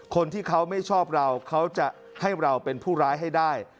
คนที่เขาไม่ชอบเราเขาจะให้เราเป็นผู้ร้ายให้ได้